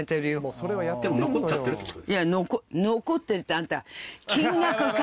残ってるってあんた。